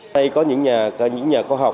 đây có những nhà khoa học